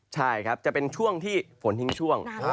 ใช่ครับจะเป็นช่วงที่ฝนทิ้งช่วง